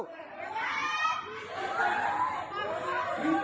ห๊ะ